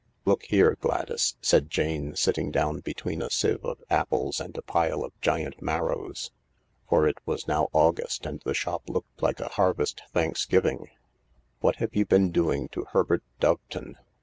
" Look here, Gladys," said Jane, sitting down between a sieve of apples and a pile of giant marrows, for it was now August, and the shop looked like a Harvest Thanksgiving, "what have you been doing to Herbert Doveton